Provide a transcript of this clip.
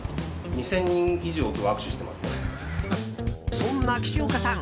そんな岸岡さん